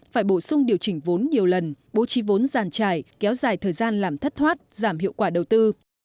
phải bổ sung điều chỉnh vốn nhiều lần bố trí vốn giàn trải kéo dài thời gian làm thất thoát giảm hiệu quả đầu tư